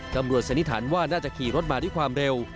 สันนิษฐานว่าน่าจะขี่รถมาด้วยความเร็ว